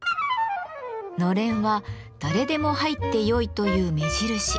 のれんは誰でも入ってよいという目印。